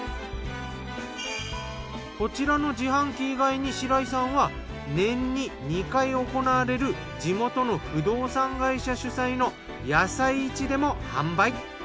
こちらの自販機以外に白井さんは年に２回行われる地元の不動産会社主催の野菜市でも販売。